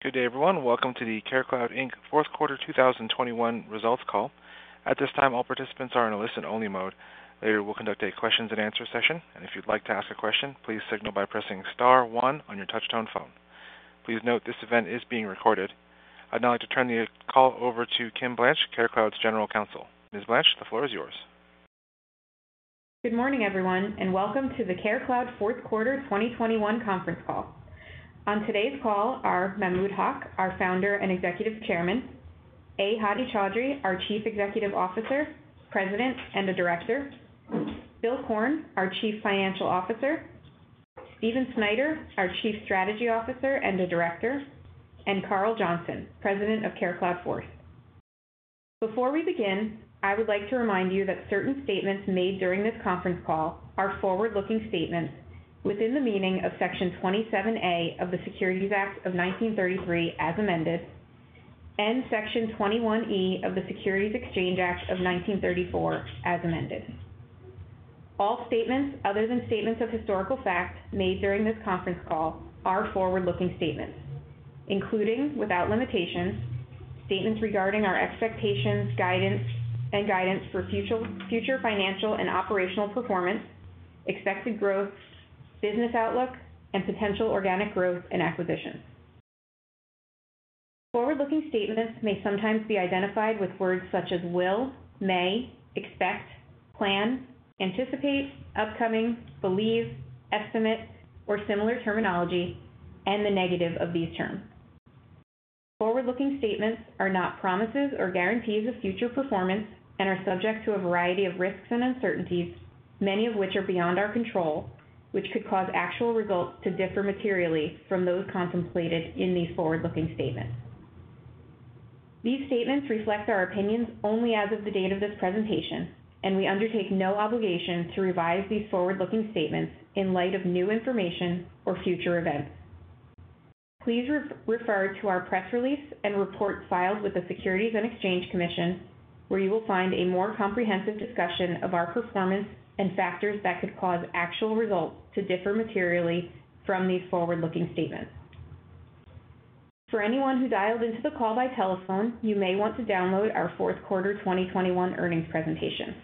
Good day, everyone. Welcome to the CareCloud, Inc.'s fourth quarter 2021 results call. At this time, all participants are in a listen-only mode. Later, we'll conduct a question and answer session. If you'd like to ask a question, please signal by pressing star one on your touchtone phone. Please note this event is being recorded. I'd now like to turn the call over to Kimberly Blanche, CareCloud's General Counsel. Ms. Blanche, the floor is yours. Good morning, everyone, and welcome to the CareCloud fourth quarter 2021 conference call. On today's call are Mahmud Haq, our founder and executive chairman, A. Hadi Chaudhry, our chief executive officer, president, and a director, Bill Korn, our chief financial officer, Stephen Snyder, our chief strategy officer and a director, and Karl Johnson, president of CareCloud Force. Before we begin, I would like to remind you that certain statements made during this conference call are forward-looking statements within the meaning of Section 27A of the Securities Act of 1933, as amended, and Section 21E of the Securities Exchange Act of 1934, as amended. All statements other than statements of historical fact made during this conference call are forward-looking statements, including without limitations, statements regarding our expectations, guidance, and guidance for future financial and operational performance, expected growth, business outlook, and potential organic growth and acquisitions. Forward-looking statements may sometimes be identified with words such as will, may, expect, plan, anticipate, upcoming, believe, estimate, or similar terminology, and the negative of these terms. Forward-looking statements are not promises or guarantees of future performance and are subject to a variety of risks and uncertainties, many of which are beyond our control, which could cause actual results to differ materially from those contemplated in these forward-looking statements. These statements reflect our opinions only as of the date of this presentation, and we undertake no obligation to revise these forward-looking statements in light of new information or future events. Please refer to our press release and report filed with the Securities and Exchange Commission, where you will find a more comprehensive discussion of our performance and factors that could cause actual results to differ materially from these forward-looking statements. For anyone who dialed into the call by telephone, you may want to download our fourth quarter 2021 earnings presentation.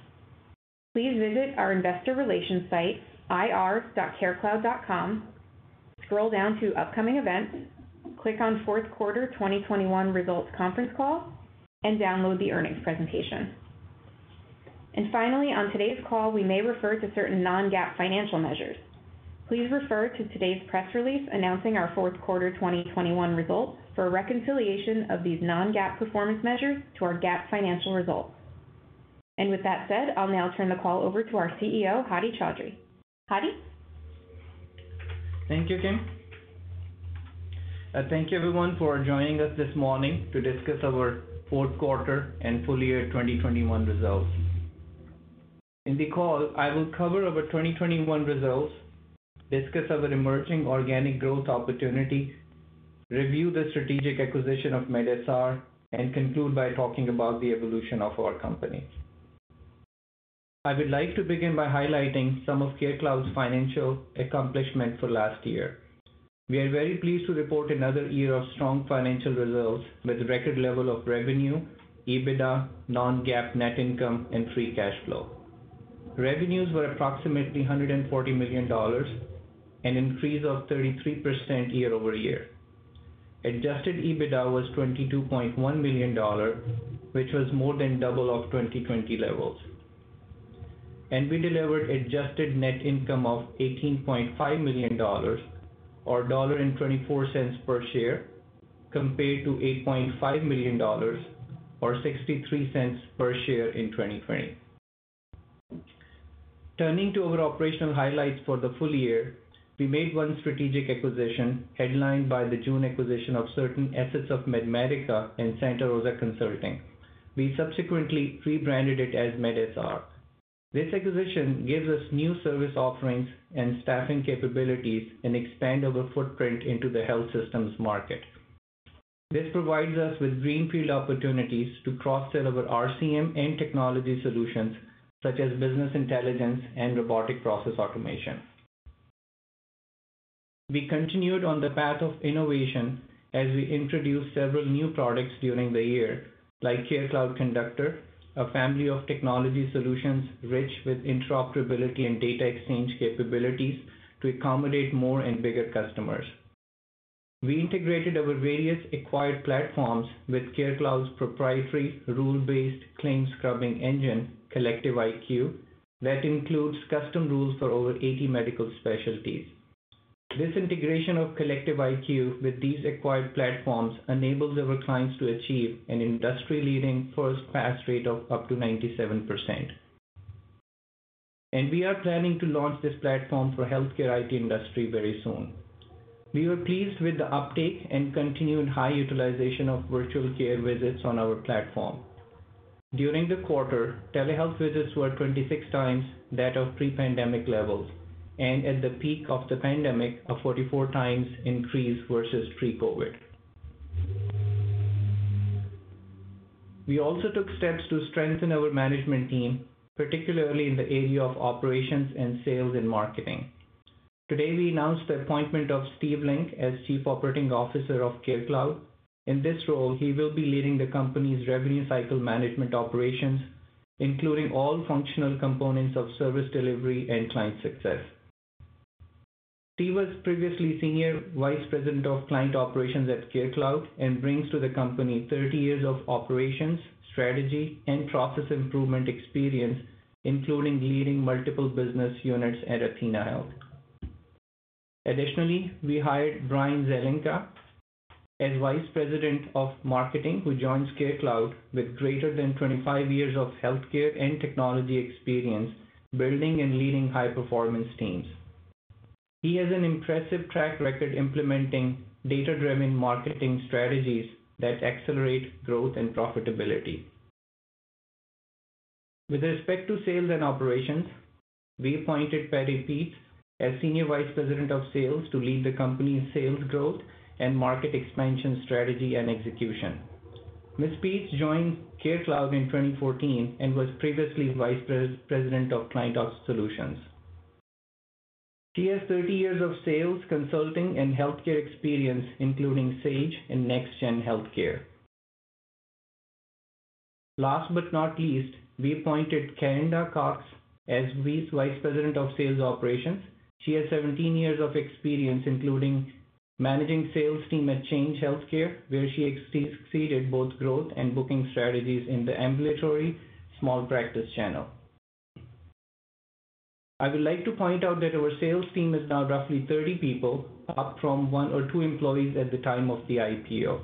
Please visit our investor relations site, ir.carecloud.com, scroll down to Upcoming Events, click on Fourth Quarter 2021 Results Conference Call, and download the earnings presentation. Finally, on today's call, we may refer to certain non-GAAP financial measures. Please refer to today's press release announcing our fourth quarter 2021 results for a reconciliation of these non-GAAP financial measures to our GAAP financial results. With that said, I'll now turn the call over to our CEO, Hadi Chaudhry. Hadi. Thank you, Kim. I thank you, everyone, for joining us this morning to discuss our fourth quarter and full year 2021 results. In the call, I will cover our 2021 results, discuss our emerging organic growth opportunity, review the strategic acquisition of MedMatica, and conclude by talking about the evolution of our company. I would like to begin by highlighting some of CareCloud's financial accomplishment for last year. We are very pleased to report another year of strong financial results with record level of revenue, EBITDA, non-GAAP net income, and free cash flow. Revenues were approximately $140 million, an increase of 33% year-over-year. Adjusted EBITDA was $22.1 million, which was more than double of 2020 levels. We delivered adjusted net income of $18.5 million or $1.24 per share, compared to $8.5 million or $0.63 per share in 2020. Turning to our operational highlights for the full year, we made one strategic acquisition headlined by the June acquisition of certain assets of MedMatica and Santa Rosa Consulting. We subsequently rebranded it as medSR. This acquisition gives us new service offerings and staffing capabilities and expand our footprint into the health systems market. This provides us with greenfield opportunities to cross-sell our RCM and technology solutions such as business intelligence and robotic process automation. We continued on the path of innovation as we introduced several new products during the year, like CareCloud Conductor, a family of technology solutions rich with interoperability and data exchange capabilities to accommodate more and bigger customers. We integrated our various acquired platforms with CareCloud's proprietary rule-based claims scrubbing engine, CollectiveIQ, that includes custom rules for over 80 medical specialties. This integration of CollectiveIQ with these acquired platforms enables our clients to achieve an industry-leading first pass rate of up to 97%. We are planning to launch this platform for healthcare IT industry very soon. We were pleased with the uptake and continued high utilization of virtual care visits on our platform. During the quarter, telehealth visits were 26 times that of pre-pandemic levels, and at the peak of the pandemic, a 44 times increase versus pre-COVID. We also took steps to strengthen our management team, particularly in the area of operations and sales and marketing. Today, we announced the appointment of Steve Link as Chief Operating Officer of CareCloud. In this role, he will be leading the company's revenue cycle management operations, including all functional components of service delivery and client success. Steve was previously Senior Vice President of Client Operations at CareCloud and brings to the company 30 years of operations, strategy, and process improvement experience, including leading multiple business units at athenahealth. Additionally, we hired Brian Zelenka as Vice President of Marketing, who joins CareCloud with greater than 25 years of healthcare and technology experience building and leading high-performance teams. He has an impressive track record implementing data-driven marketing strategies that accelerate growth and profitability. With respect to sales and operations, we appointed Patty Peets as Senior Vice President of Sales to lead the company's sales growth and market expansion strategy and execution. Ms. Peets joined CareCloud in 2014 and was previously Vice President of Client Ops Solutions. She has 30 years of sales, consulting, and healthcare experience, including Sage and NextGen Healthcare. Last but not least, we appointed Carinda Cox as Vice President of Sales Operations. She has 17 years of experience, including managing sales team at Change Healthcare, where she exceeded both growth and booking strategies in the ambulatory small practice channel. I would like to point out that our sales team is now roughly 30 people, up from one or two employees at the time of the IPO.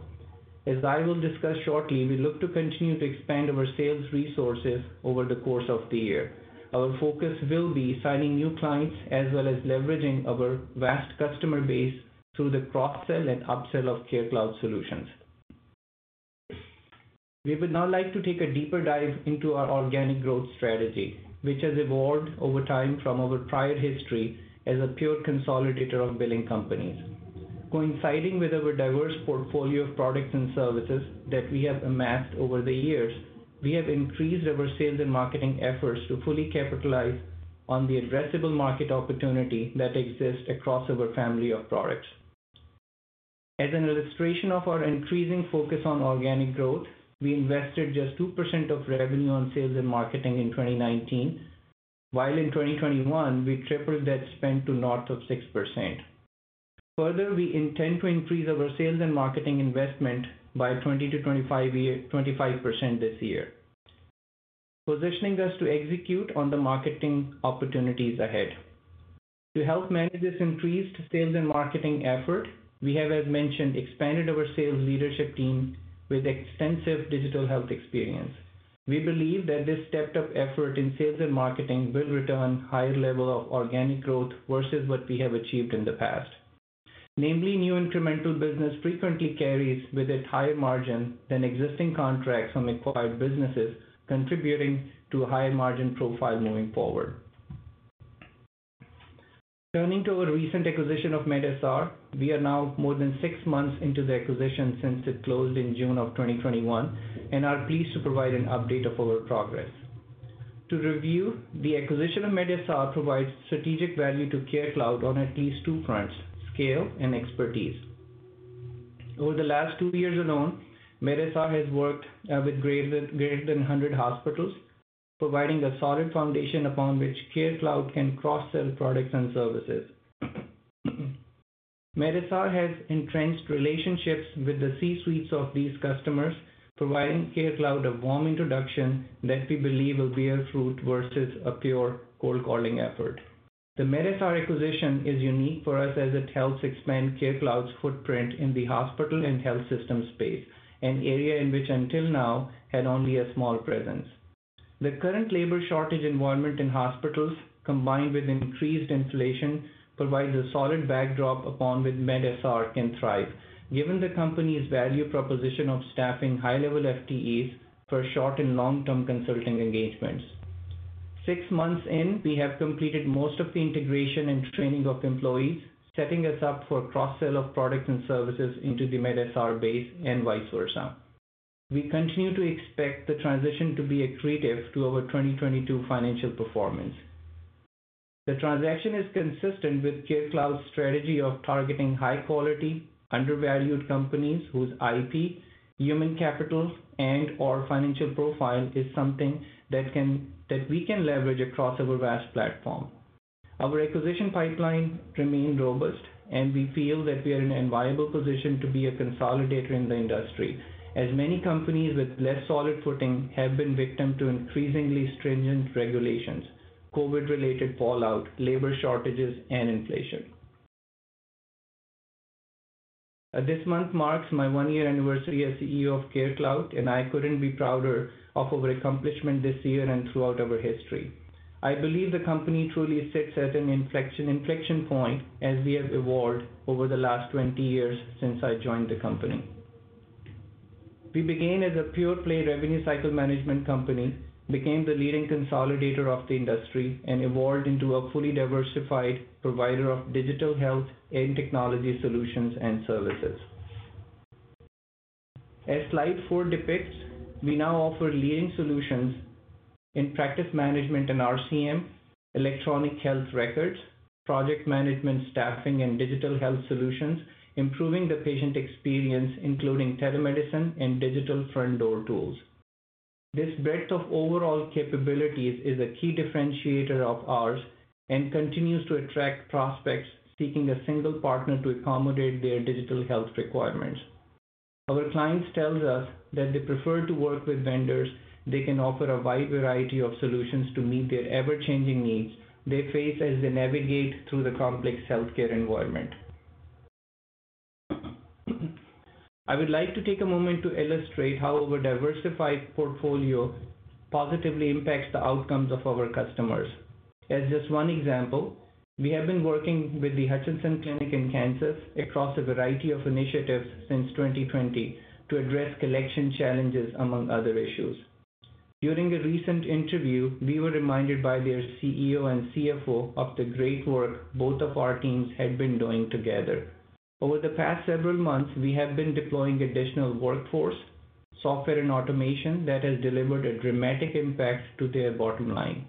As I will discuss shortly, we look to continue to expand our sales resources over the course of the year. Our focus will be signing new clients as well as leveraging our vast customer base through the cross-sell and up-sell of CareCloud solutions. We would now like to take a deeper dive into our organic growth strategy, which has evolved over time from our prior history as a pure consolidator of billing companies. Coinciding with our diverse portfolio of products and services that we have amassed over the years, we have increased our sales and marketing efforts to fully capitalize on the addressable market opportunity that exists across our family of products. As an illustration of our increasing focus on organic growth, we invested just 2% of revenue on sales and marketing in 2019. While in 2021, we tripled that spend to north of 6%. Further, we intend to increase our sales and marketing investment by 20%-25% this year, positioning us to execute on the marketing opportunities ahead. To help manage this increased sales and marketing effort, we have, as mentioned, expanded our sales leadership team with extensive digital health experience. We believe that this stepped up effort in sales and marketing will return higher level of organic growth versus what we have achieved in the past. Namely, new incremental business frequently carries with it higher margin than existing contracts from acquired businesses, contributing to a higher margin profile moving forward. Turning to our recent acquisition of medSR, we are now more than six months into the acquisition since it closed in June 2021 and are pleased to provide an update of our progress. To review, the acquisition of medSR provides strategic value to CareCloud on at least two fronts, scale and expertise. Over the last two years alone, MedSR has worked with greater than 100 hospitals, providing a solid foundation upon which CareCloud can cross-sell products and services. MedSR has entrenched relationships with the C-suites of these customers, providing CareCloud a warm introduction that we believe will bear fruit versus a pure cold-calling effort. The MedSR acquisition is unique for us as it helps expand CareCloud's footprint in the hospital and health system space, an area in which until now had only a small presence. The current labor shortage environment in hospitals, combined with increased inflation, provides a solid backdrop upon which MedSR can thrive, given the company's value proposition of staffing high-level FTEs for short and long-term consulting engagements. Six months in, we have completed most of the integration and training of employees, setting us up for cross-sell of products and services into the medSR base and vice versa. We continue to expect the transition to be accretive to our 2022 financial performance. The transaction is consistent with CareCloud's strategy of targeting high quality, undervalued companies whose IP, human capital, and/or financial profile is something that we can leverage across our vast platform. Our acquisition pipeline remains robust, and we feel that we are in an enviable position to be a consolidator in the industry, as many companies with less solid footing have been victim to increasingly stringent regulations, COVID-related fallout, labor shortages, and inflation. This month marks my one-year anniversary as CEO of CareCloud, and I couldn't be prouder of our accomplishment this year and throughout our history. I believe the company truly sits at an inflection point as we have evolved over the last 20 years since I joined the company. We began as a pure-play revenue cycle management company, became the leading consolidator of the industry, and evolved into a fully diversified provider of digital health and technology solutions and services. As slide four depicts, we now offer leading solutions in practice management and RCM, electronic health records, project management, staffing, and digital health solutions, improving the patient experience, including telemedicine and digital front door tools. This breadth of overall capabilities is a key differentiator of ours and continues to attract prospects seeking a single partner to accommodate their digital health requirements. Our clients tells us that they prefer to work with vendors that can offer a wide variety of solutions to meet their ever-changing needs they face as they navigate through the complex healthcare environment. I would like to take a moment to illustrate how our diversified portfolio positively impacts the outcomes of our customers. As just one example, we have been working with the Hutchinson Clinic in Kansas across a variety of initiatives since 2020 to address collection challenges, among other issues. During a recent interview, we were reminded by their CEO and CFO of the great work both of our teams had been doing together. Over the past several months, we have been deploying additional workforce, software and automation that has delivered a dramatic impact to their bottom line.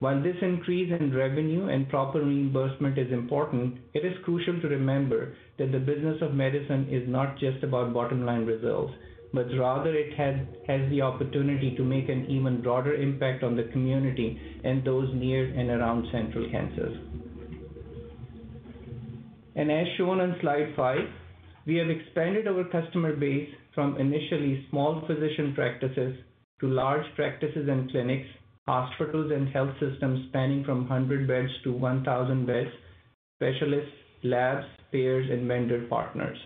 While this increase in revenue and proper reimbursement is important, it is crucial to remember that the business of medicine is not just about bottom-line results, but rather it has the opportunity to make an even broader impact on the community and those near and around central Kansas. As shown on slide five, we have expanded our customer base from initially small physician practices to large practices and clinics, hospitals and health systems spanning from 100 beds to 1,000 beds, specialists, labs, payers, and vendor partners.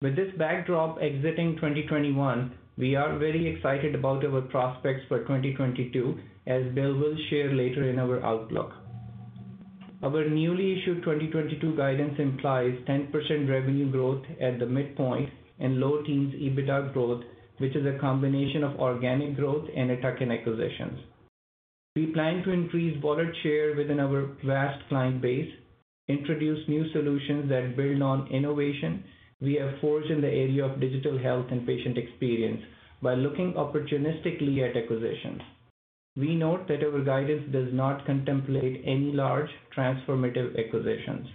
With this backdrop exiting 2021, we are very excited about our prospects for 2022, as Bill will share later in our outlook. Our newly issued 2022 guidance implies 10% revenue growth at the midpoint and low teens% EBITDA growth, which is a combination of organic growth and tuck-in acquisitions. We plan to increase wallet share within our vast client base, introduce new solutions that build on innovation we have forged in the area of digital health and patient experience by looking opportunistically at acquisitions. We note that our guidance does not contemplate any large transformative acquisitions.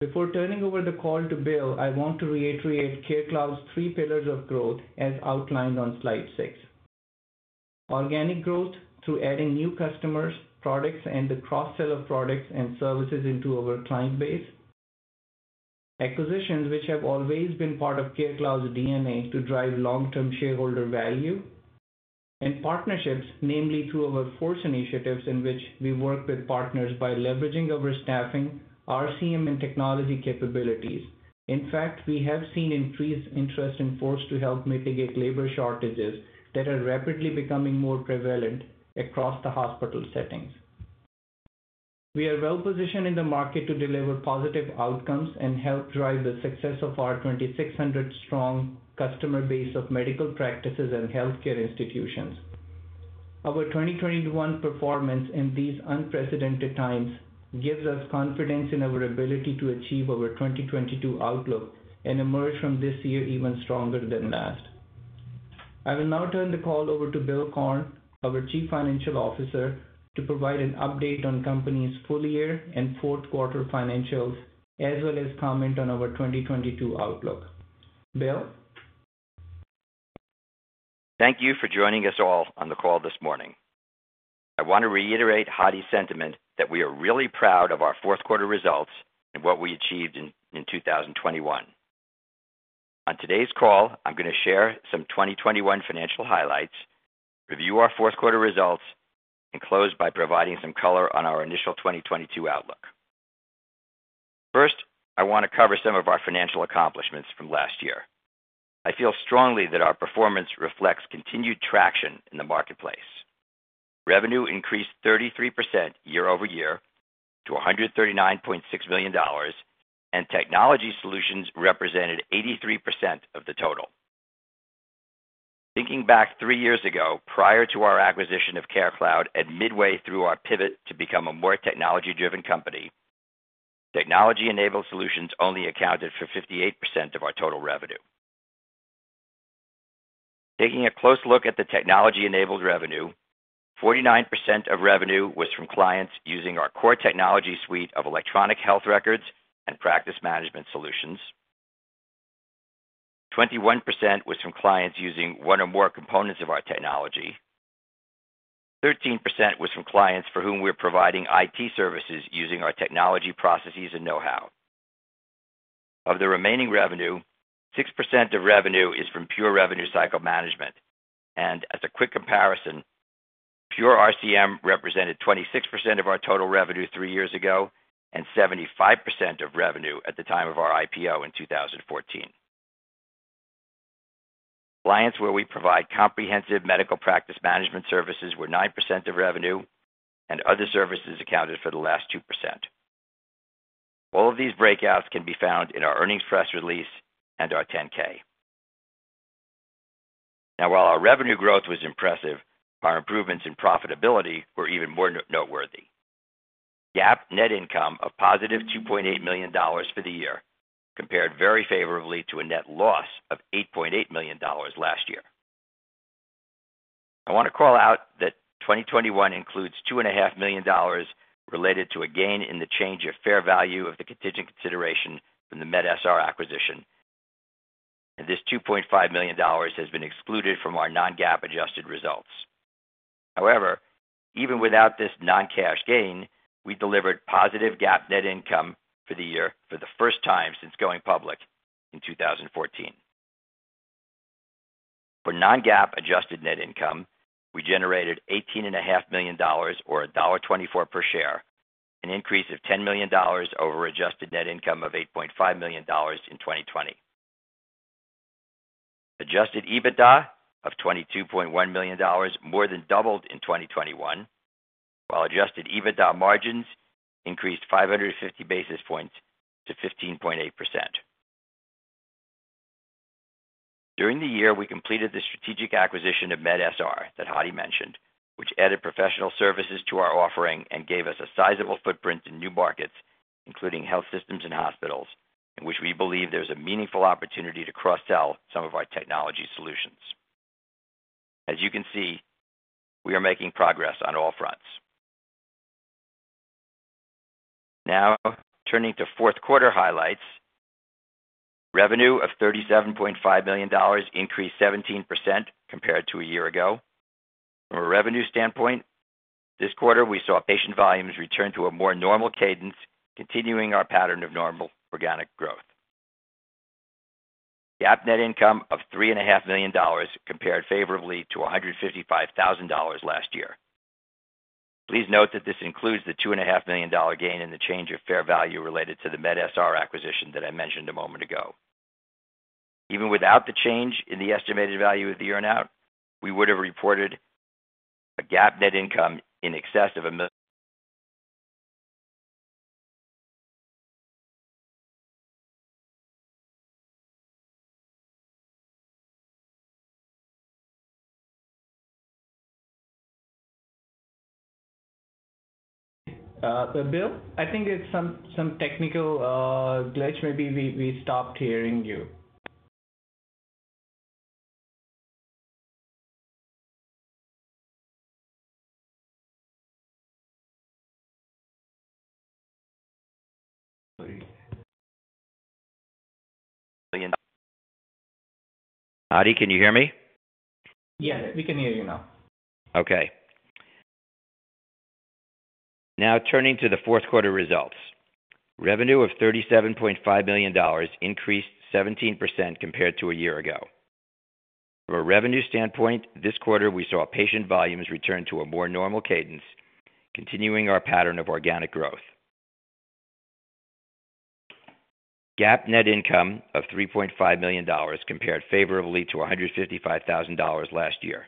Before turning over the call to Bill, I want to reiterate CareCloud's three pillars of growth as outlined on slide six. Organic growth through adding new customers, products, and the cross-sell of products and services into our client base. Acquisitions which have always been part of CareCloud's DNA to drive long-term shareholder value. Partnerships, namely through our Force initiatives, in which we work with partners by leveraging our staffing, RCM, and technology capabilities. In fact, we have seen increased interest in Force to help mitigate labor shortages that are rapidly becoming more prevalent across the hospital settings. We are well-positioned in the market to deliver positive outcomes and help drive the success of our 2,600-strong customer base of medical practices and healthcare institutions. Our 2021 performance in these unprecedented times gives us confidence in our ability to achieve our 2022 outlook and emerge from this year even stronger than last. I will now turn the call over to Bill Korn, our Chief Financial Officer, to provide an update on the company's full year and fourth quarter financials, as well as comment on our 2022 outlook. Bill? Thank you for joining us all on the call this morning. I want to reiterate Hadi's sentiment that we are really proud of our fourth quarter results and what we achieved in 2021. On today's call, I'm gonna share some 2021 financial highlights, review our fourth quarter results, and close by providing some color on our initial 2022 outlook. First, I wanna cover some of our financial accomplishments from last year. I feel strongly that our performance reflects continued traction in the marketplace. Revenue increased 33% year-over-year to $139.6 million, and technology solutions represented 83% of the total. Thinking back three years ago, prior to our acquisition of CareCloud and midway through our pivot to become a more technology-driven company, technology-enabled solutions only accounted for 58% of our total revenue. Taking a close look at the technology-enabled revenue, 49% of revenue was from clients using our core technology suite of electronic health records and practice management solutions. 21% was from clients using one or more components of our technology. 13% was from clients for whom we're providing IT services using our technology processes and know-how. Of the remaining revenue, 6% of revenue is from pure revenue cycle management. As a quick comparison, pure RCM represented 26% of our total revenue three years ago and 75% of revenue at the time of our IPO in 2014. Clients where we provide comprehensive medical practice management services were 9% of revenue, and other services accounted for the last 2%. All of these breakouts can be found in our earnings press release and our 10-K. Now, while our revenue growth was impressive, our improvements in profitability were even more noteworthy. GAAP net income of $2.8 million for the year compared very favorably to a net loss of $8.8 million last year. I want to call out that 2021 includes $2.5 million related to a gain in the change of fair value of the contingent consideration from the MedSR acquisition. This $2.5 million has been excluded from our non-GAAP adjusted results. However, even without this non-cash gain, we delivered positive GAAP net income for the year for the first time since going public in 2014. For non-GAAP adjusted net income, we generated $18.5 million or $1.24 per share, an increase of $10 million over adjusted net income of $8.5 million in 2020. Adjusted EBITDA of $22.1 million more than doubled in 2021, while adjusted EBITDA margins increased 550 basis points to 15.8%. During the year, we completed the strategic acquisition of medSR that Hadi mentioned, which added professional services to our offering and gave us a sizable footprint in new markets, including health systems and hospitals, in which we believe there's a meaningful opportunity to cross-sell some of our technology solutions. As you can see, we are making progress on all fronts. Now, turning to fourth quarter highlights. Revenue of $37.5 million increased 17% compared to a year ago. From a revenue standpoint, this quarter we saw patient volumes return to a more normal cadence, continuing our pattern of normal organic growth. GAAP net income of $3.5 million compared favorably to $155,000 last year. Please note that this includes the $2.5 million gain in the change of fair value related to the medSR acquisition that I mentioned a moment ago. Even without the change in the estimated value of the earn out, we would have reported a GAAP net income in excess of a million- Bill, I think it's some technical glitch. Maybe we stopped hearing you. Hadi, can you hear me? Yes, we can hear you now. Okay. Now, turning to the fourth quarter results. Revenue of $37.5 million increased 17% compared to a year ago. From a revenue standpoint, this quarter we saw patient volumes return to a more normal cadence, continuing our pattern of organic growth. GAAP net income of $3.5 million compared favorably to $155,000 last year.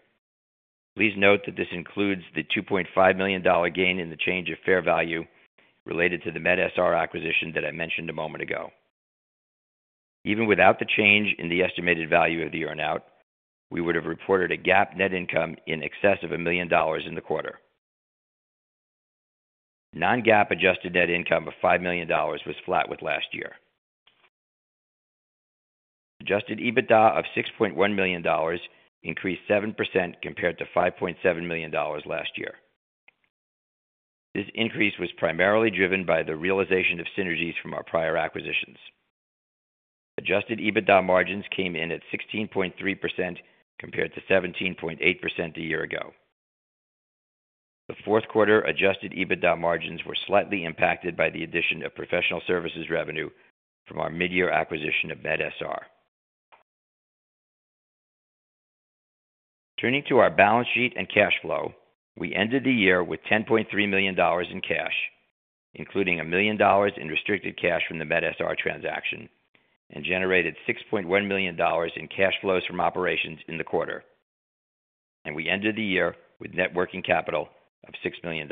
Please note that this includes the $2.5 million gain in the change of fair value related to the medSR acquisition that I mentioned a moment ago. Even without the change in the estimated value of the earn out, we would have reported a GAAP net income in excess of $1 million in the quarter. non-GAAP adjusted net income of $5 million was flat with last year. Adjusted EBITDA of $6.1 million increased 7% compared to $5.7 million last year. This increase was primarily driven by the realization of synergies from our prior acquisitions. Adjusted EBITDA margins came in at 16.3% compared to 17.8% a year ago. The fourth quarter adjusted EBITDA margins were slightly impacted by the addition of professional services revenue from our mid-year acquisition of MedSR. Turning to our balance sheet and cash flow. We ended the year with $10.3 million in cash, including $1 million in restricted cash from the MedSR transaction, and generated $6.1 million in cash flows from operations in the quarter. We ended the year with net working capital of $6 million.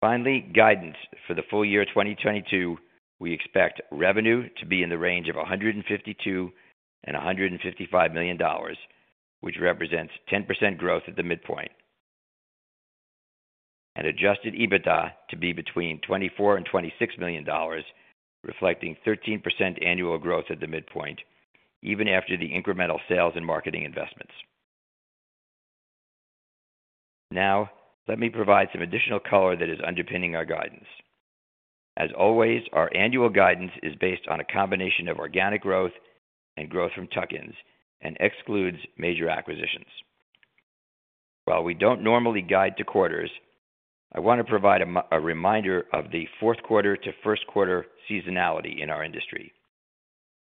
Finally, guidance for the full year 2022, we expect revenue to be in the range of $152 million-$155 million, which represents 10% growth at the midpoint. Adjusted EBITDA to be between $24 million-$26 million, reflecting 13% annual growth at the midpoint even after the incremental sales and marketing investments. Now, let me provide some additional color that is underpinning our guidance. As always, our annual guidance is based on a combination of organic growth and growth from tuck-ins and excludes major acquisitions. While we don't normally guide to quarters, I want to provide a reminder of the fourth quarter to first quarter seasonality in our industry.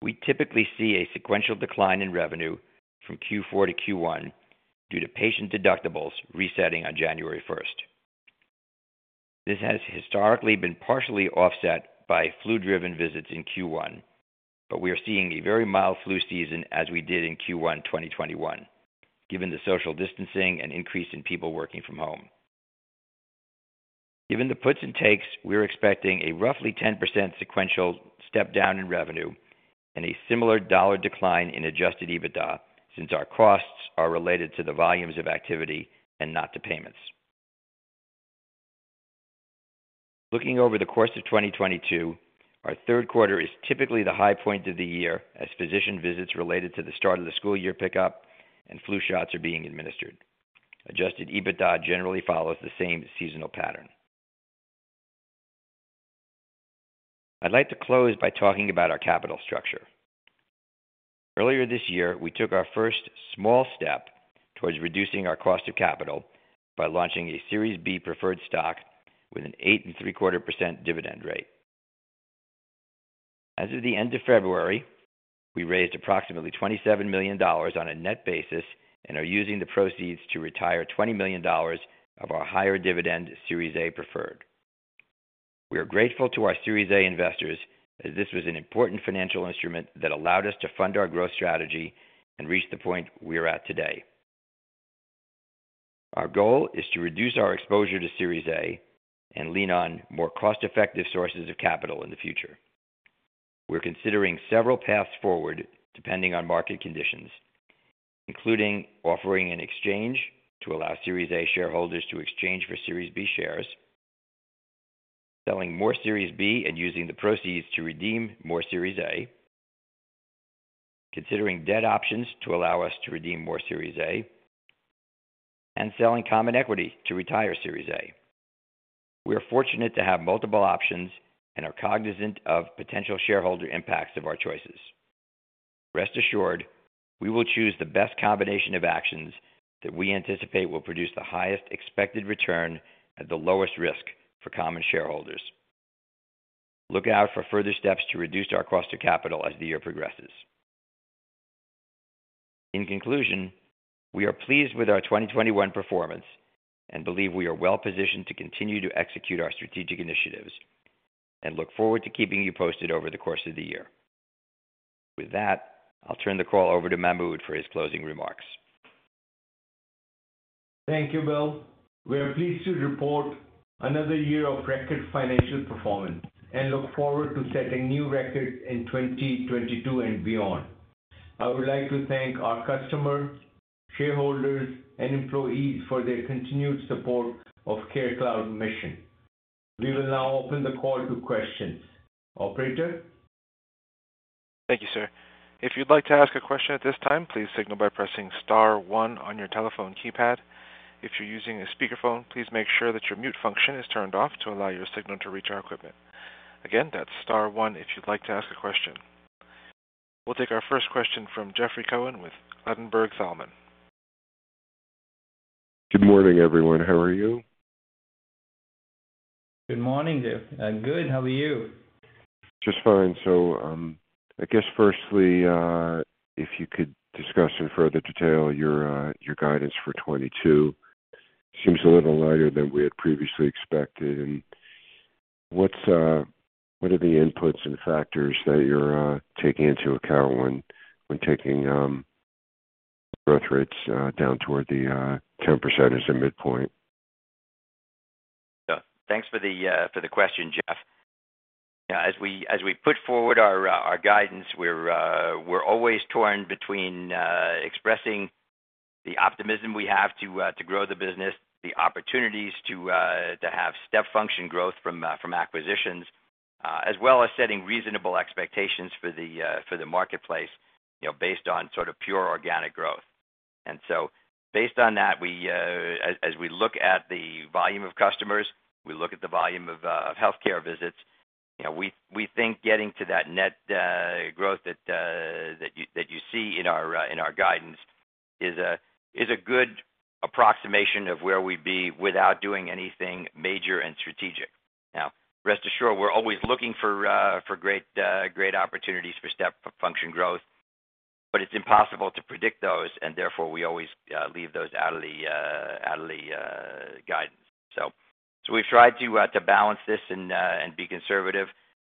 We typically see a sequential decline in revenue from Q4 to Q1 due to patient deductibles resetting on January first. This has historically been partially offset by flu-driven visits in Q1, but we are seeing a very mild flu season as we did in Q1 2021, given the social distancing and increase in people working from home. Given the puts and takes, we're expecting a roughly 10% sequential step down in revenue and a similar dollar decline in Adjusted EBITDA since our costs are related to the volumes of activity and not to payments. Looking over the course of 2022, our third quarter is typically the high point of the year as physician visits related to the start of the school year pick up and flu shots are being administered. Adjusted EBITDA generally follows the same seasonal pattern. I'd like to close by talking about our capital structure. Earlier this year, we took our first small step towards reducing our cost of capital by launching a Series B preferred stock with an 8.75% dividend rate. As of the end of February, we raised approximately $27 million on a net basis and are using the proceeds to retire $20 million of our higher dividend Series A preferred. We are grateful to our Series A investors as this was an important financial instrument that allowed us to fund our growth strategy and reach the point we are at today. Our goal is to reduce our exposure to Series A and lean on more cost-effective sources of capital in the future. We're considering several paths forward depending on market conditions, including offering an exchange to allow Series A shareholders to exchange for Series B shares, selling more Series B and using the proceeds to redeem more Series A, considering debt options to allow us to redeem more Series A, and selling common equity to retire Series A. We are fortunate to have multiple options and are cognizant of potential shareholder impacts of our choices. Rest assured, we will choose the best combination of actions that we anticipate will produce the highest expected return at the lowest risk for common shareholders. Look out for further steps to reduce our cost of capital as the year progresses. In conclusion, we are pleased with our 2021 performance and believe we are well-positioned to continue to execute our strategic initiatives and look forward to keeping you posted over the course of the year. With that, I'll turn the call over to Mahmud for his closing remarks. Thank you, Bill. We are pleased to report another year of record financial performance and look forward to setting new records in 2022 and beyond. I would like to thank our customers, shareholders, and employees for their continued support of CareCloud's mission. We will now open the call to questions. Operator? Thank you, sir. If you'd like to ask a question at this time, please signal by pressing star one on your telephone keypad. If you're using a speakerphone, please make sure that your mute function is turned off to allow your signal to reach our equipment. Again, that's star one if you'd like to ask a question. We'll take our first question from Jeffrey Cohen with Ladenburg Thalmann. Good morning, everyone. How are you? Good morning, Jeff. I'm good. How are you? Just fine. I guess firstly, if you could discuss in further detail your guidance for 2022. It seems a little lighter than we had previously expected. What are the inputs and factors that you're taking into account when taking growth rates down toward the 10% as a midpoint? Thanks for the question, Jeff. As we put forward our guidance, we're always torn between expressing the optimism we have to grow the business, the opportunities to have step function growth from acquisitions, as well as setting reasonable expectations for the marketplace, you know, based on sort of pure organic growth. Based on that, as we look at the volume of customers, we look at the volume of healthcare visits, you know, we think getting to that net growth that you see in our guidance is a good approximation of where we'd be without doing anything major and strategic. Now, rest assured, we're always looking for great opportunities for step function growth, but it's impossible to predict those, and therefore, we always leave those out of the guidance. We've tried to balance this and be conservative.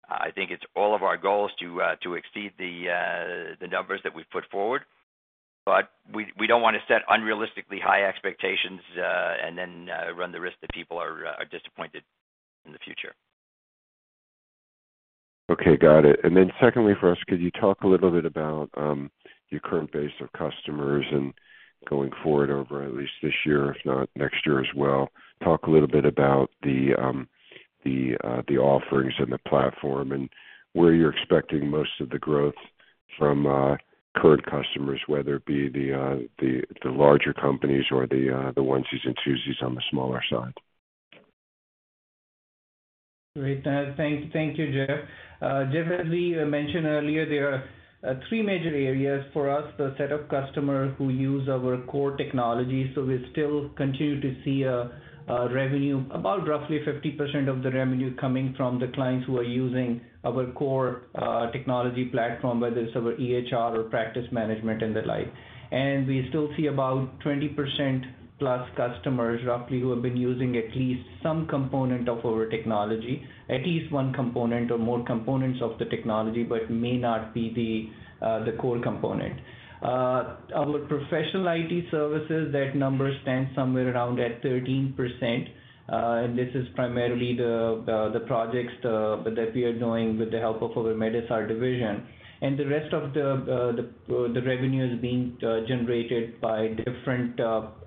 I think it's all of our goals to exceed the numbers that we've put forward. We don't wanna set unrealistically high expectations and then run the risk that people are disappointed in the future. Okay, got it. Secondly for us, could you talk a little bit about your current base of customers and going forward over at least this year, if not next year as well? Talk a little bit about the offerings and the platform and where you're expecting most of the growth from current customers, whether it be the larger companies or the onesies and twosies on the smaller side. Great. Thank you, Jeff. Jeff, as we mentioned earlier, there are three major areas for us to set up customers who use our core technology. We still continue to see a revenue about roughly 50% of the revenue coming from the clients who are using our core technology platform, whether it's our EHR or practice management and the like. We still see about 20% plus customers roughly who have been using at least some component of our technology, at least one component or more components of the technology, but may not be the core component. Our professional IT services, that number stands somewhere around at 13%. This is primarily the projects that we are doing with the help of our medSR division. The rest of the revenue is being generated by different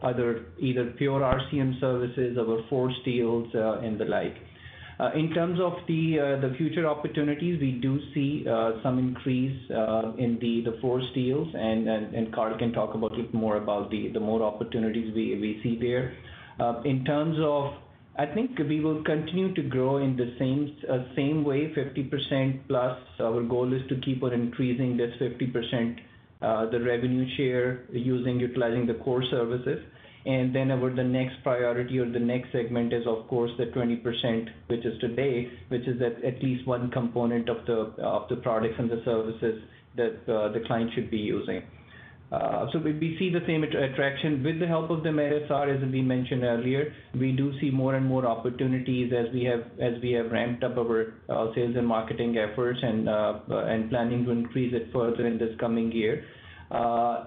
other either pure RCM services or Force deals and the like. In terms of the future opportunities, we do see some increase in the Force deals and Carl can talk about it more about the more opportunities we see there. In terms of I think we will continue to grow in the same way, 50% plus. Our goal is to keep on increasing this 50% the revenue share utilizing the core services. The next priority or the next segment is of course the 20%, which is today, which is at least one component of the products and the services that the client should be using. We see the same attraction. With the help of the medSR, as we mentioned earlier, we do see more and more opportunities as we have ramped up our sales and marketing efforts and planning to increase it further in this coming year.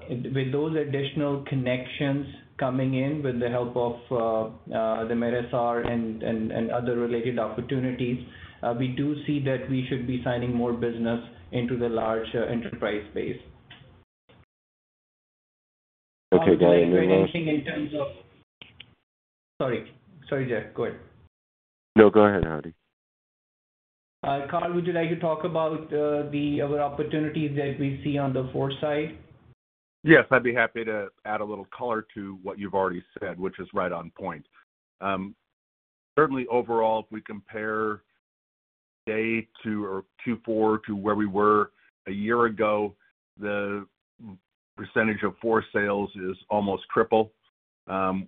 With those additional connections coming in with the help of the medSR and other related opportunities, we do see that we should be signing more business into the large enterprise space. Okay, got it. Sorry, Jeff, go ahead. No, go ahead, Hadi. Karl, would you like to talk about the other opportunities that we see on the Force side? Yes, I'd be happy to add a little color to what you've already said, which is right on point. Certainly overall, if we compare day two or Q4 to where we were a year ago, the percentage of Force sales is almost triple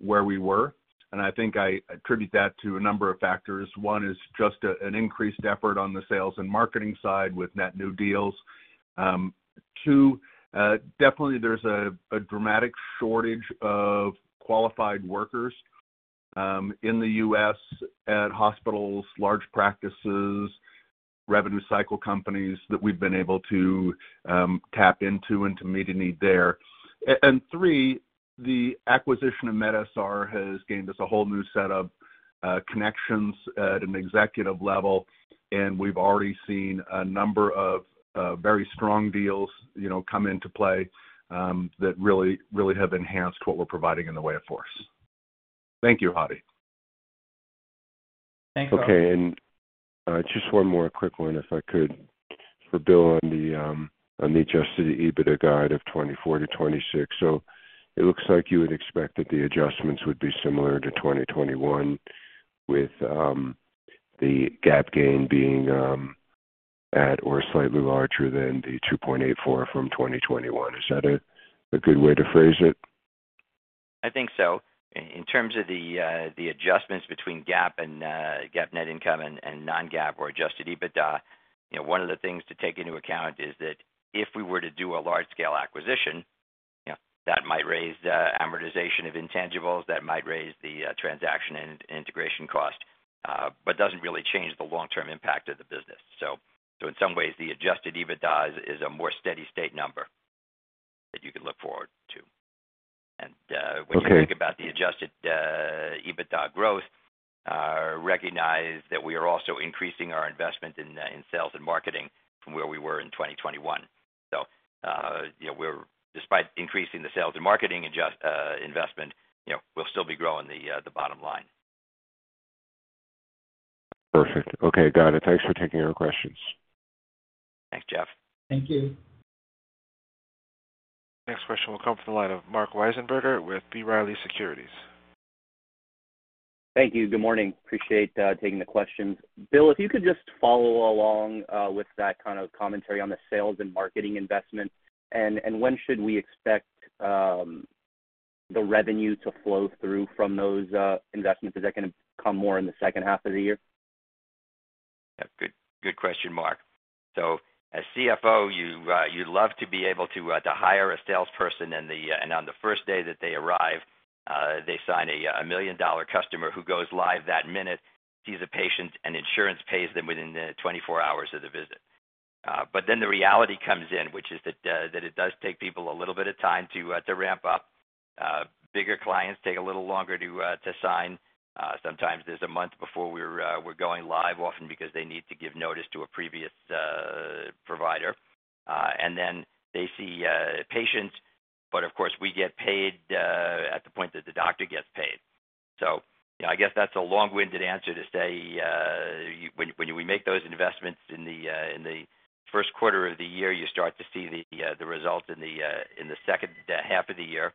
where we were. I think I attribute that to a number of factors. One is just an increased effort on the sales and marketing side with net new deals. Two, definitely there's a dramatic shortage of qualified workers in the U.S. at hospitals, large practices, revenue cycle companies that we've been able to tap into and to meet a need there. Three, the acquisition of medSR has gained us a whole new set of connections at an executive level, and we've already seen a number of very strong deals, you know, come into play that really have enhanced what we're providing in the way of Force. Thank you, Hadi. Thanks. Okay. Just one more quick one, if I could, for Bill on the adjusted EBITDA guide of $24-$26. It looks like you had expected the adjustments would be similar to 2021 with the GAAP gain being at or slightly larger than the $2.84 from 2021. Is that a good way to phrase it? I think so. In terms of the adjustments between GAAP and GAAP net income and non-GAAP or adjusted EBITDA, you know, one of the things to take into account is that if we were to do a large scale acquisition, you know, that might raise the amortization of intangibles, that might raise the transaction and integration cost, but doesn't really change the long-term impact of the business. In some ways, the adjusted EBITDA is a more steady state number that you can look forward to. Okay. When you think about the adjusted EBITDA growth, recognize that we are also increasing our investment in sales and marketing from where we were in 2021. You know, despite increasing the sales and marketing investment, you know, we'll still be growing the bottom line. Perfect. Okay, got it. Thanks for taking our questions. Thanks, Jeff. Thank you. Next question will come from the line of Marc Wiesenberger with B. Riley Securities. Thank you. Good morning. Appreciate taking the questions. Bill, if you could just follow along with that kind of commentary on the sales and marketing investment and when should we expect the revenue to flow through from those investments? Is that gonna come more in the second half of the year? Yeah. Good question, Mark. As CFO, you you'd love to be able to to hire a salesperson and on the first day that they arrive, they sign a $1 million customer who goes live that minute, sees a patient, and insurance pays them within the 24 hours of the visit. The reality comes in, which is that that it does take people a little bit of time to ramp up. Bigger clients take a little longer to sign. Sometimes there's a month before we're going live, often because they need to give notice to a previous provider. They see patients, but of course, we get paid at the point that the doctor gets paid. I guess that's a long-winded answer to say, when we make those investments in the first quarter of the year, you start to see the results in the second half of the year.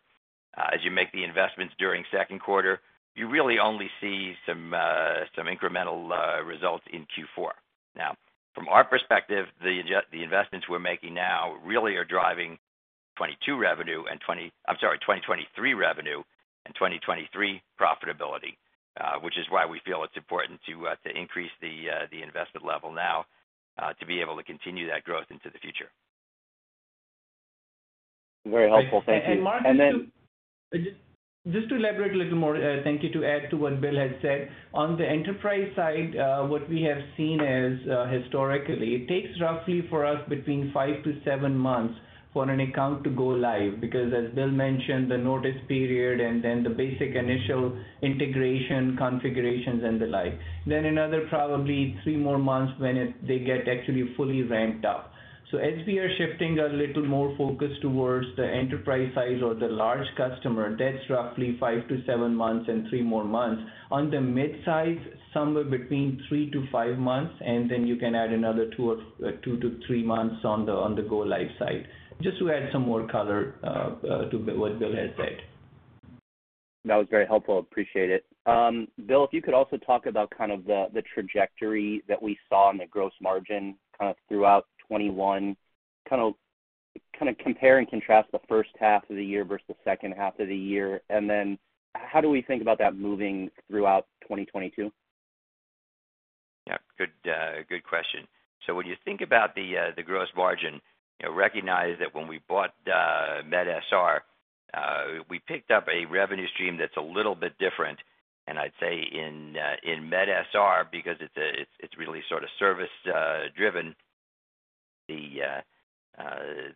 As you make the investments during second quarter, you really only see some incremental results in Q4. Now, from our perspective, the investments we're making now really are driving 2022 revenue and 2023 revenue and 2023 profitability, which is why we feel it's important to increase the investment level now, to be able to continue that growth into the future. Very helpful. Thank you. Mark, just to And then- Just to elaborate a little more, thank you, to add to what Bill had said. On the enterprise side, what we have seen is, historically, it takes roughly for us between five to seven months for an account to go live, because as Bill mentioned, the notice period and then the basic initial integration configurations and the like. Then another probably three more months when they get actually fully ramped up. As we are shifting a little more focus towards the enterprise size or the large customer, that's roughly five to seven months and three more months. On the mid-size, somewhere between three to five months, and then you can add another two to three months on the go live side. Just to add some more color to what Bill had said. That was very helpful. Appreciate it. Bill, if you could also talk about kind of the trajectory that we saw in the gross margin kind of throughout 2021. Kind of compare and contrast the first half of the year versus the second half of the year. Then how do we think about that moving throughout 2022? Yeah, good question. When you think about the gross margin, you know, recognize that when we bought medSR, we picked up a revenue stream that's a little bit different. I'd say in medSR, because it's really sort of service driven,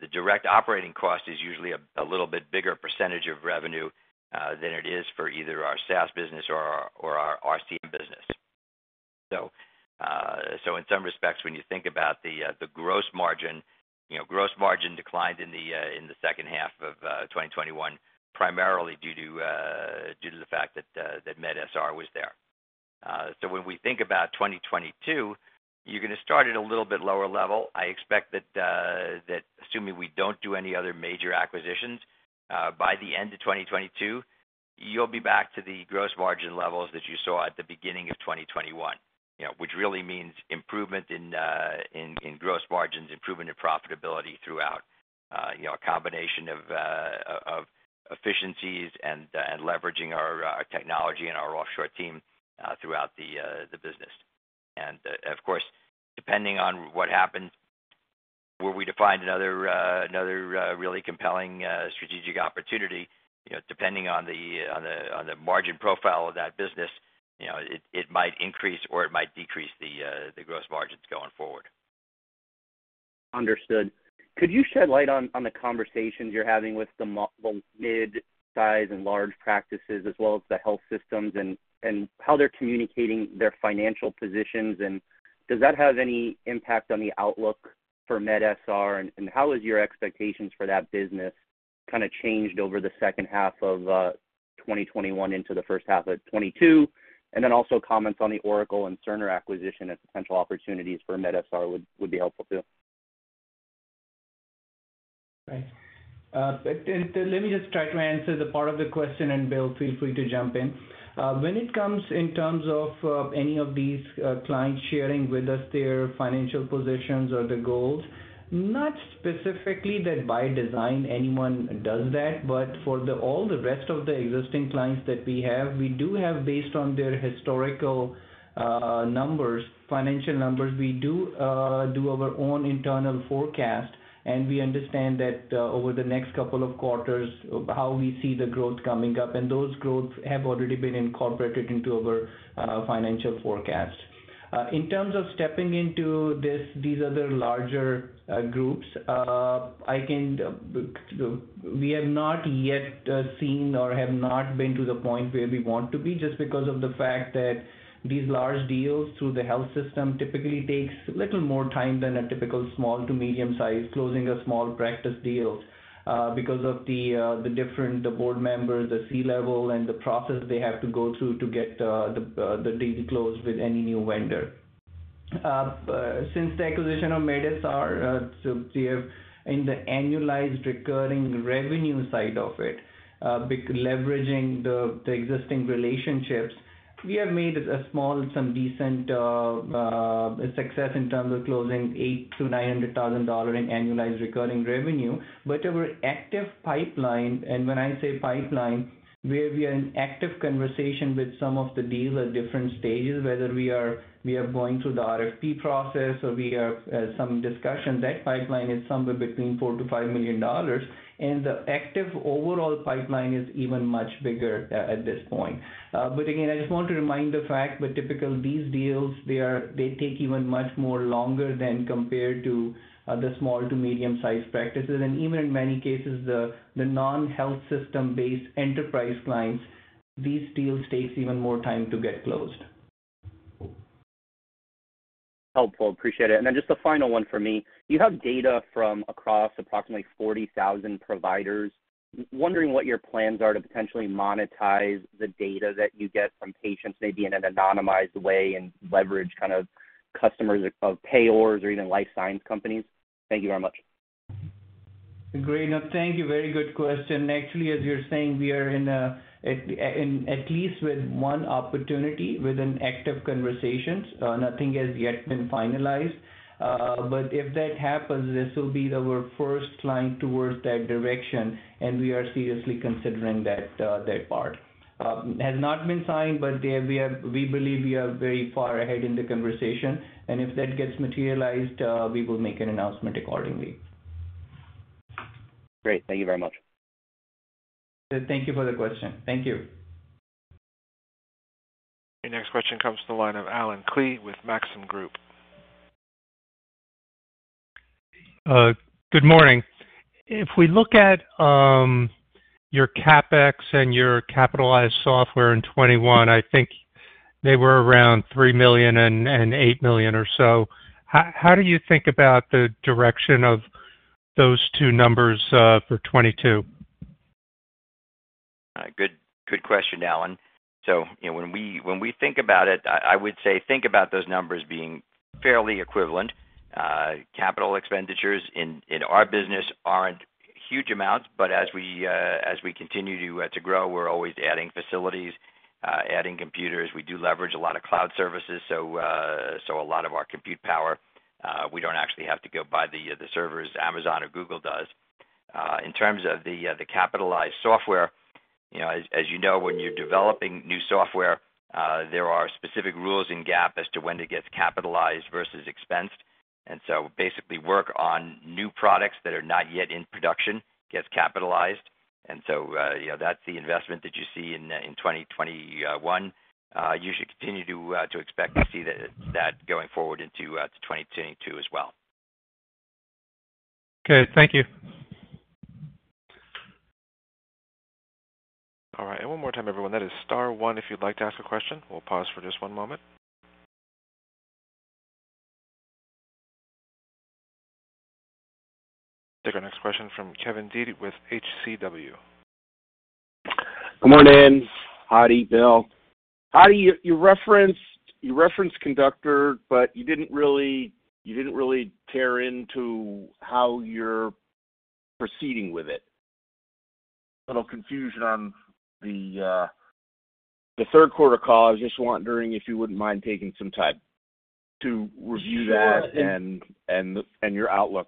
the direct operating cost is usually a little bit bigger percentage of revenue than it is for either our SaaS business or our RCM business. In some respects, when you think about the gross margin, you know, gross margin declined in the second half of 2021, primarily due to the fact that medSR was there. When we think about 2022, you're gonna start at a little bit lower level. I expect that assuming we don't do any other major acquisitions, by the end of 2022, you'll be back to the gross margin levels that you saw at the beginning of 2021. You know, which really means improvement in gross margins, improvement in profitability throughout, you know, a combination of efficiencies and leveraging our technology and our offshore team throughout the business. Of course, depending on what happens, where we define another really compelling strategic opportunity, you know, depending on the margin profile of that business, you know, it might increase or it might decrease the gross margins going forward. Understood. Could you shed light on the conversations you're having with the mid-size and large practices as well as the health systems and how they're communicating their financial positions, and does that have any impact on the outlook for medSR? How has your expectations for that business kind of changed over the second half of 2021 into the first half of 2022? Then also comments on the Oracle and Cerner acquisition as potential opportunities for medSR would be helpful too. Right. Let me just try to answer the part of the question, and Bill, feel free to jump in. When it comes in terms of any of these clients sharing with us their financial positions or their goals, not specifically that by design anyone does that, but for all the rest of the existing clients that we have, we do have, based on their historical numbers, financial numbers, we do our own internal forecast, and we understand that over the next couple of quarters how we see the growth coming up. Those growth have already been incorporated into our financial forecast. In terms of stepping into these other larger groups, I can... We have not yet seen or have not been to the point where we want to be just because of the fact that these large deals through the health system typically takes a little more time than a typical small to medium size, closing a small practice deal, because of the different board members, the C-level, and the process they have to go through to get the deal closed with any new vendor. Since the acquisition of medSR, we have, in the annualized recurring revenue side of it, been leveraging the existing relationships. We have made some decent success in terms of closing $800,000-$900,000 in annualized recurring revenue. Our active pipeline, and when I say pipeline, where we are in active conversation with some of the deals at different stages, whether we are going through the RFP process or we have some discussion, that pipeline is somewhere between $4 million-$5 million. The active overall pipeline is even much bigger at this point. I just want to remind the fact that typically these deals they take even much more longer than compared to the small to medium-sized practices. Even in many cases, the non-health system-based enterprise clients, these deals takes even more time to get closed. Helpful. Appreciate it. Just the final one for me. You have data from across approximately 40,000 providers. Wondering what your plans are to potentially monetize the data that you get from patients, maybe in an anonymized way, and leverage kind of customers of payers or even life science companies? Thank you very much. Great. No, thank you. Very good question. Actually, as you're saying, we are in at least one opportunity with an active conversations. Nothing has yet been finalized. But if that happens, this will be our first line towards that direction, and we are seriously considering that part. It has not been signed, but there we are. We believe we are very far ahead in the conversation. If that gets materialized, we will make an announcement accordingly. Great. Thank you very much. Thank you for the question. Thank you. Your next question comes to the line of Allen Klee with Maxim Group. Good morning. If we look at your CapEx and your capitalized software in 2021, I think they were around $3 million and $8 million or so. How do you think about the direction of those two numbers for 2022? Good question, Allen. You know, when we think about it, I would say think about those numbers being fairly equivalent. Capital expenditures in our business aren't huge amounts, but as we continue to grow, we're always adding facilities, adding computers. We do leverage a lot of cloud services, so a lot of our compute power, we don't actually have to go buy the servers Amazon or Google does. In terms of the capitalized software, you know, as you know, when you're developing new software, there are specific rules in GAAP as to when it gets capitalized versus expensed. Basically work on new products that are not yet in production gets capitalized. You know, that's the investment that you see in 2021. You should continue to expect to see that going forward into 2022 as well. Okay. Thank you. All right. One more time, everyone. That is star one, if you'd like to ask a question. We'll pause for just one moment. Take our next question from Kevin Dede with H.C. Wainwright. Good morning, Hadi, Bill. Hadi, you referenced Conductor, but you didn't really tear into how you're proceeding with it. A little confusion on the third quarter call. I was just wondering if you wouldn't mind taking some time to review that. Sure. your outlook.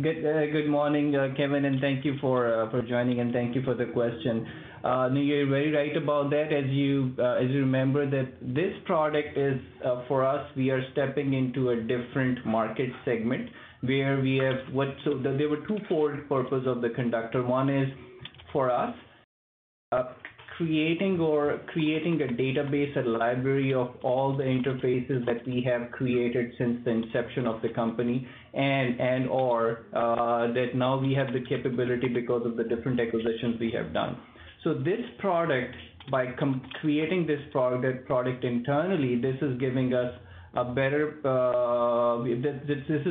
Good morning, Kevin, and thank you for joining, and thank you for the question. No, you're very right about that. As you remember that this product is for us, we are stepping into a different market segment where we have what. There were twofold purpose of the Conductor. One is for us, creating a database, a library of all the interfaces that we have created since the inception of the company and/or that now we have the capability because of the different acquisitions we have done. This product, by creating this product internally, is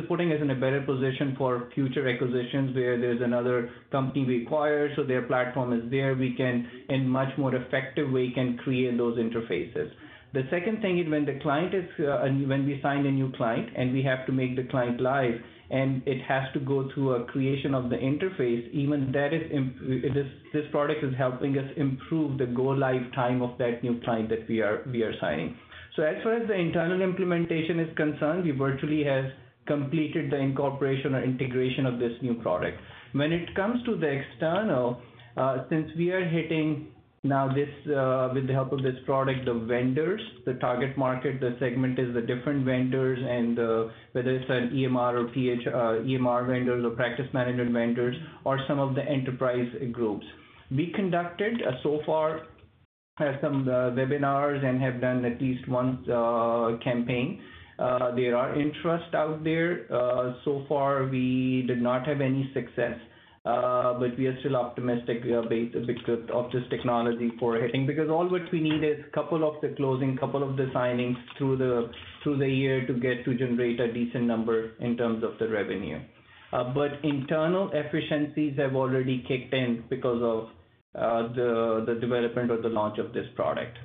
putting us in a better position for future acquisitions where there's another company we acquire, so their platform is there. We can, in a much more effective way, create those interfaces. The second thing is when we sign a new client, and we have to make the client live, and it has to go through a creation of the interface. Even that is. This product is helping us improve the go-live time of that new client that we are signing. As far as the internal implementation is concerned, we virtually have completed the incorporation or integration of this new product. When it comes to the external, since we are hitting now this with the help of this product, the vendors, the target market, the segment is the different vendors and whether it's an EMR or PM, EMR vendors or practice management vendors or some of the enterprise groups. We conducted so far some webinars and have done at least one campaign. There are interest out there. So far we did not have any success, but we are still optimistic because of this technology for hitting. Because all what we need is couple of the closing, couple of the signings through the year to get to generate a decent number in terms of the revenue. Internal efficiencies have already kicked in because of the development or the launch of this product.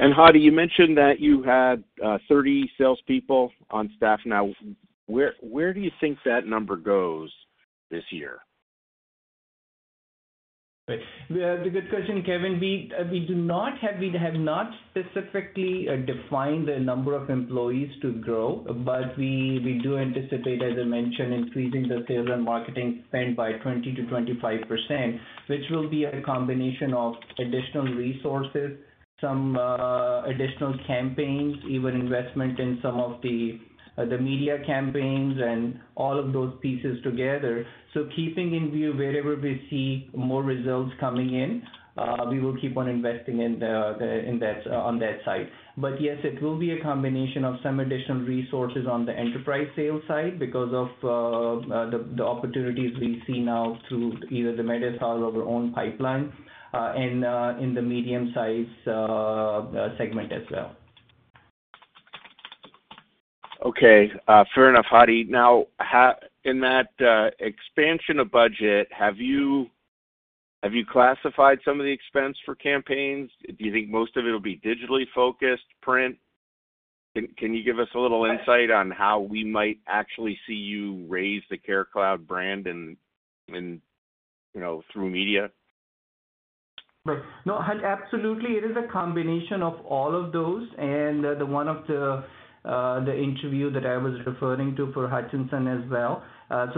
Hadi, you mentioned that you had 30 salespeople on staff now. Where do you think that number goes this year? Right. Yeah, it's a good question, Kevin. We have not specifically defined the number of employees to grow, but we do anticipate, as I mentioned, increasing the sales and marketing spend by 20%-25%, which will be a combination of additional resources, some additional campaigns, even investment in some of the media campaigns and all of those pieces together. Keeping in view wherever we see more results coming in, we will keep on investing in that side. Yes, it will be a combination of some additional resources on the enterprise sales side because of the opportunities we see now through either the MedMatica or our own pipeline, and in the medium-size segment as well. Fair enough, Hadi. Now, in that expansion of budget, have you classified some of the expense for campaigns? Do you think most of it will be digitally focused, print? Can you give us a little insight on how we might actually see you raise the CareCloud brand in, you know, through media? Right. No, absolutely. It is a combination of all of those and one of the interview that I was referring to for Hutchinson as well.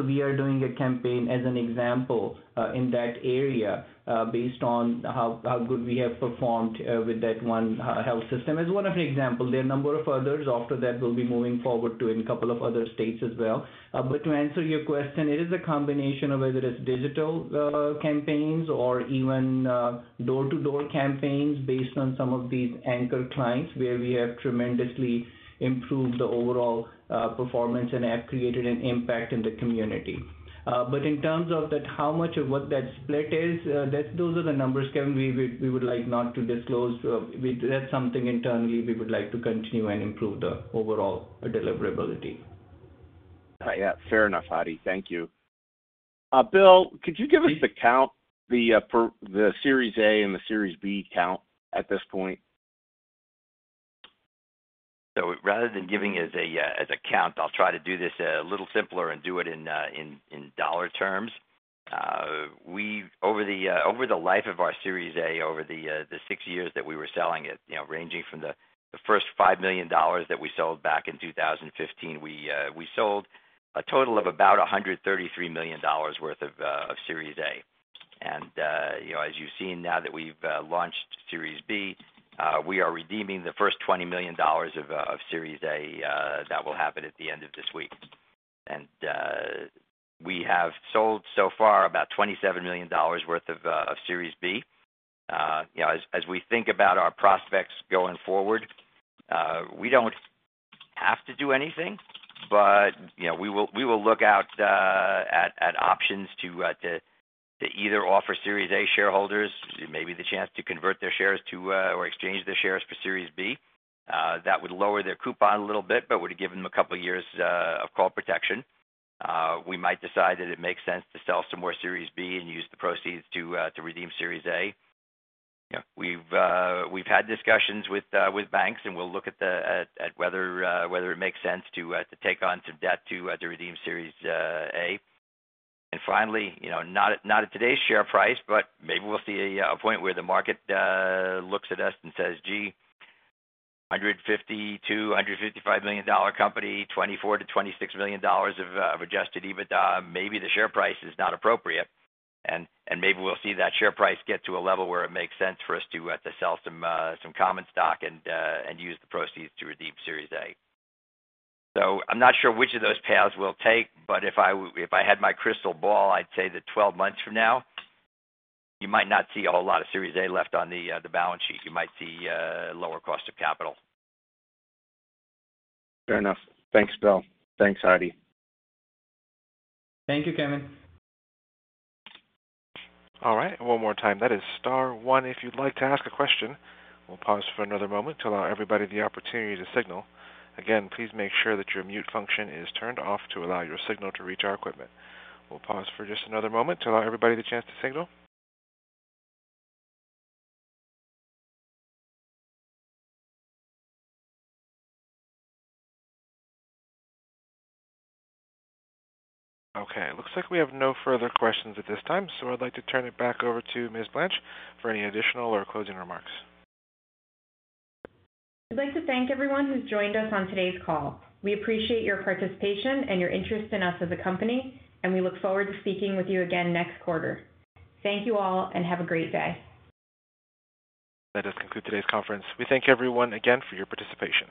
We are doing a campaign as an example, in that area, based on how good we have performed with that one health system. As one of the example, there are a number of others after that we'll be moving forward to in a couple of other states as well. To answer your question, it is a combination of whether it's digital campaigns or even door-to-door campaigns based on some of these anchor clients where we have tremendously improved the overall performance and have created an impact in the community. In terms of that, how much of what that split is, that those are the numbers, Kevin, we would like not to disclose. That's something internally we would like to continue and improve the overall deliverability. Yeah, fair enough, Hadi. Thank you. Bill, could you give us the count for the Series A and the Series B count at this point? Rather than giving it as a count, I'll try to do this a little simpler and do it in dollar terms. Over the life of our Series A, over the six years that we were selling it, you know, ranging from the first $5 million that we sold back in 2015, we sold a total of about $133 million worth of Series A. You know, as you've seen now that we've launched Series B, we are redeeming the first $20 million of Series A that will happen at the end of this week. We have sold so far about $27 million worth of Series B. You know, as we think about our prospects going forward, we don't have to do anything, but, you know, we will look out at options to either offer Series A shareholders maybe the chance to convert their shares to or exchange their shares for Series B. That would lower their coupon a little bit, but would give them a couple of years of call protection. We might decide that it makes sense to sell some more Series B and use the proceeds to redeem Series A. You know, we've had discussions with banks, and we'll look at whether it makes sense to take on some debt to redeem Series A. Finally, you know, not at today's share price, but maybe we'll see a point where the market looks at us and says, "Gee, $152 million-$155 million company, $24 million-$26 million of adjusted EBITDA, maybe the share price is not appropriate." Maybe we'll see that share price get to a level where it makes sense for us to sell some common stock and use the proceeds to redeem Series A. I'm not sure which of those paths we'll take, but if I had my crystal ball, I'd say that twelve months from now, you might not see a whole lot of Series A left on the balance sheet. You might see lower cost of capital. Fair enough. Thanks, Bill. Thanks, Hadi. Thank you, Kevin. All right. One more time. That is star one, if you'd like to ask a question. We'll pause for another moment to allow everybody the opportunity to signal. Again, please make sure that your mute function is turned off to allow your signal to reach our equipment. We'll pause for just another moment to allow everybody the chance to signal. Okay, looks like we have no further questions at this time, so I'd like to turn it back over to Ms. Blanche for any additional or closing remarks. We'd like to thank everyone who's joined us on today's call. We appreciate your participation and your interest in us as a company, and we look forward to speaking with you again next quarter. Thank you all, and have a great day. That does conclude today's conference. We thank everyone again for your participation.